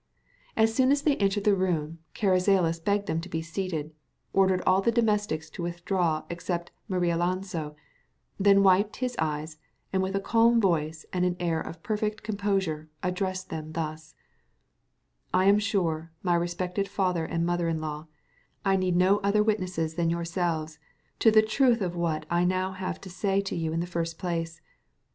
As soon as they entered the room, Carrizales begged them to be seated, ordered all the domestics to withdraw except Marialonso, then wiped his eyes, and with a calm voice and an air of perfect composure addressed them thus:— "I am sure, my respected father and mother in law, I need no other witnesses than yourselves to the truth of what I have now to say to you in the first place.